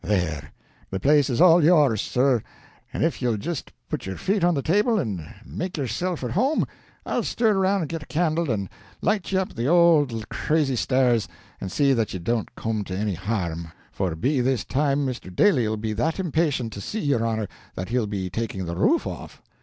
There. The place is all yours, sir, and if ye'll just put your feet on the table and make yourself at home, I'll stir around and get a candle and light ye up the ould crazy stairs and see that ye don't come to anny harm, for be this time Mr. Daly'll be that impatient to see your honor that he'll be taking the roof off."